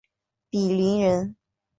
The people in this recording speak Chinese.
鄙陵人。